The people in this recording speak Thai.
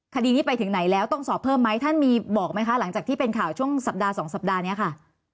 คดีนี้ไปถึงไหนแล้วต้องสอบเพิ่มไหมท่านมีบอกไหมคะหลังจากที่เป็นข่าวช่วงสัปดาห์สองสัปดาห์นี้ค่ะ